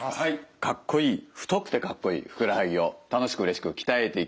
かっこいい太くてかっこいいふくらはぎを楽しくうれしく鍛えていきます。